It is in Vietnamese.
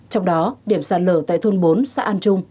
trong đó điểm sạt lở tại thôn bốn xã an trung